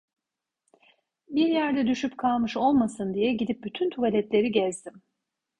Bir yerde düşüp kalmış olmasın diye gidip bütün tuvaletleri gezdim.